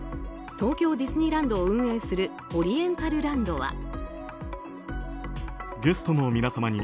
東京ディズニーランドを運営するオリエンタルランドは。